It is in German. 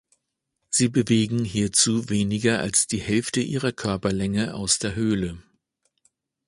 Sie bewegen hierzu weniger als die Hälfte ihrer Körperlänge aus der Höhle.